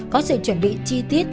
có sự chuẩn bị chi tiết